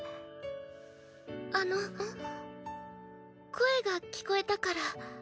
声が聞こえたから。